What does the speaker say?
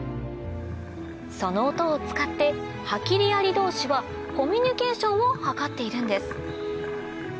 その音を使ってハキリアリ同士はコミュニケーションを図っているんです